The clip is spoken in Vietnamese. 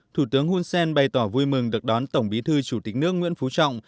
thủ tướng hun sen bày tỏ vui mừng được đón tổng bí thư chủ tịch nước nguyễn phú trọng